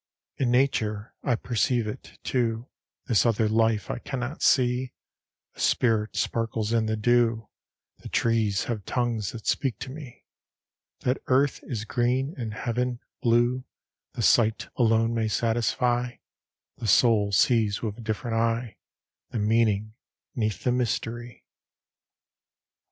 In Nature I perceive it, too, This other life I can not see: A spirit sparkles in the dew, The trees have tongues that speak to me: That Earth is green and Heaven, blue, The sight alone may satisfy; The soul sees with a different eye The meaning 'neath the mystery.